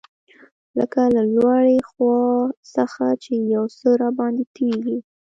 لکه له لوړې خوا څخه چي یو څه راباندي تویېږي.